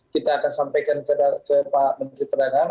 kita akan sampaikan ke pak menteri perdagangan